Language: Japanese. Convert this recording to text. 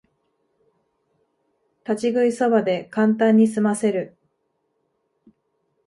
立ち食いそばでカンタンにすませる